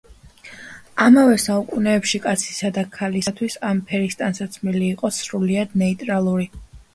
ამავე საუკუნეებში კაცისა და ქალისათვის ამ ფერის ტანსაცმელი იყო სრულიად ნეიტრალური.